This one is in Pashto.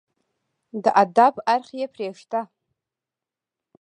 د ادب اړخ يې پرېږده